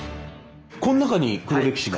こん中に黒歴史が？